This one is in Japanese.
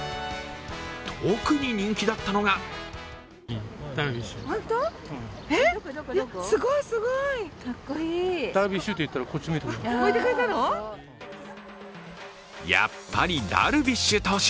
特に人気だったのがやっぱりダルビッシュ投手。